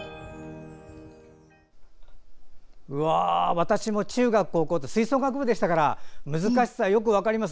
私も中学、高校と吹奏楽部でしたから難しさ、よく分かります。